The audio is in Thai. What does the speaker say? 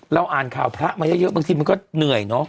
อ่านข่าวพระมาเยอะบางทีมันก็เหนื่อยเนอะ